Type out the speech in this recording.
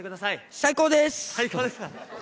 最高です。